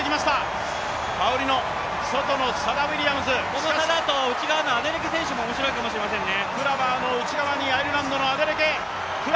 この差だと内側のアメリカの選手も面白いかもしれませんね。